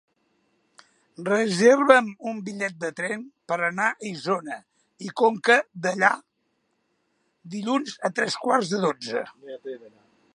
Reserva'm un bitllet de tren per anar a Isona i Conca Dellà dilluns a tres quarts de dotze.